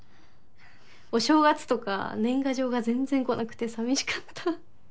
お正月とか年賀状が全然来なくて寂しかった。